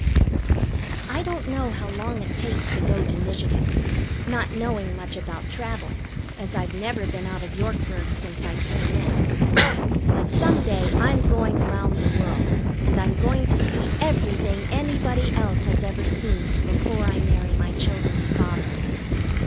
I don't know how long it takes to go to Michigan, not knowing much about travelling, as I've never been out of Yorkburg since I came in. But some day I'm going around the world, and I'm going to see everything anybody else has ever seen before I marry my children's father.